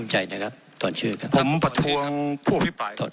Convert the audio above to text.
ของใจนะครับตอนชื่อครับผมประทวงผู้อภิปราย